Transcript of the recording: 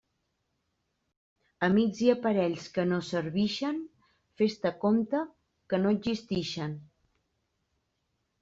Amics i aparells que no servixen, fes-te compte que no existixen.